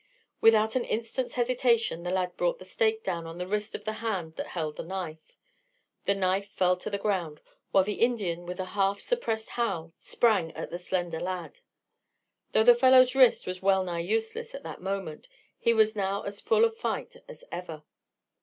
Without an instant's hesitation the lad brought the stake down on the wrist of the hand that held the knife. The knife fell to the ground, while the Indian, with a half suppressed howl, sprang at the slender lad. Though the fellow's wrist was well nigh useless at that moment, he was as full of fight as ever.